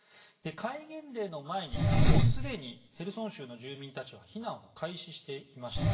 戒厳令の前にもうすでにヘルソン州の住民たちは避難を開始していました。